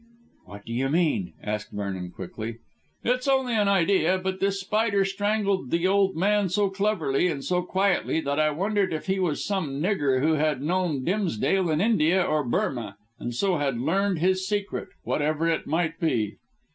"What do you mean?" asked Vernon quickly. "It's only an idea. But this Spider strangled the old man so cleverly and so quietly that I wondered if he was some nigger who had known Dimsdale in India or Burmah and so had learned his secret, whatever it might be."